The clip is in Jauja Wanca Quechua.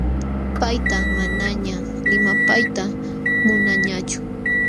Payta manañaq limapayta munaañachu.